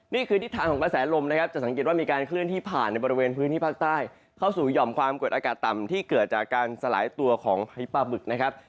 นี่คือทิศทางของกระแสลมนะครับจะสังเกตว่ามีการเคลื่อนที่ผ่านในบริเวณพื้นที่ภาคใต้เข้าสู่หย่อมความกดอากาศต่ำที่เกิดจากการสลายตัวของไฮปลาบึกนะครับ